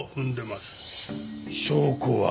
証拠は？